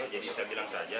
jadi saya bilang saja